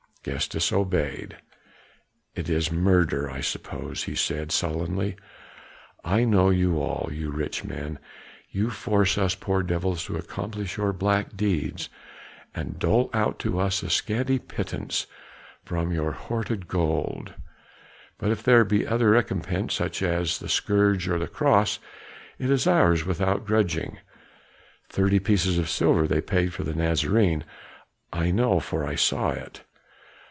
Gestas obeyed. "It is murder, I suppose," he said sullenly. "I know you all, you rich men! You force us poor devils to accomplish your black deeds, and dole out to us a scanty pittance from your hoarded gold; but if there be other recompense, such as the scourge or the cross, it is ours without grudging. Thirty pieces of silver they paid for the Nazarene; I know, for I saw it."